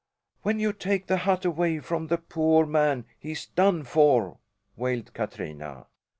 "When you take the hut away from the poor man he's done for," wailed Katrina.